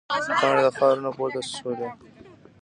پاڼې د خاورو نه پورته شولې.